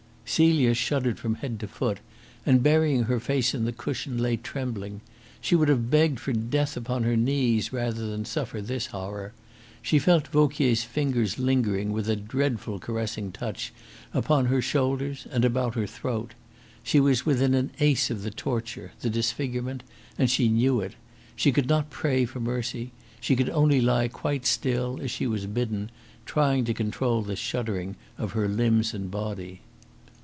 Celia shuddered from head to foot, and, burying her face in the cushion, lay trembling. She would have begged for death upon her knees rather than suffer this horror. She felt Vauquier's fingers lingering with a dreadful caressing touch upon her shoulders and about her throat. She was within an ace of the torture, the disfigurement, and she knew it. She could not pray for mercy. She could only lie quite still, as she was bidden, trying to control the shuddering of her limbs and body.